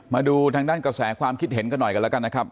มาดูทางด้านกระแสความคิดเห็นกันหน่อยกันแล้วกันนะครับ